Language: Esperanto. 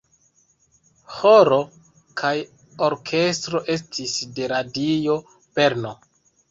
Ĥoro kaj orkestro estis de Radio Brno.